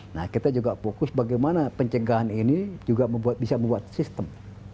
nah kita juga fokus bagaimana pencegahan ini juga bisa membuat sistem